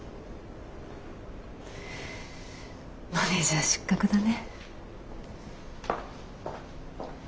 マネージャー失格だね。